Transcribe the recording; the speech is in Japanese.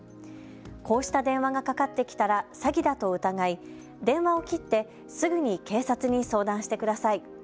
こうした電話がかかってきたら詐欺だと疑い、電話を切ってすぐに警察に相談してください。